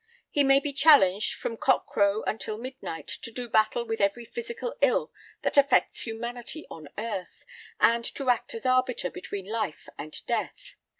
He may be challenged from cock crow until midnight to do battle with every physical ill that affects humanity on earth, and to act as arbiter between life and death.